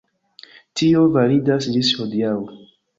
Tio validas ĝis hodiaŭ.